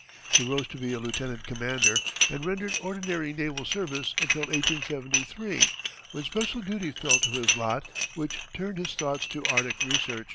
He rose to be a lieutenant commander and rendered ordinary naval service until 1873, when special duty fell to his lot which turned his thoughts to Arctic research.